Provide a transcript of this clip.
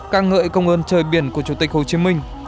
ca ngợi công ơn trời biển của chủ tịch hồ chí minh